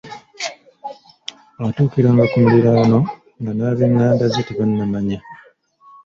Atuukiranga ku muliraano nga n’ab’eηηanda ze tebannamanya.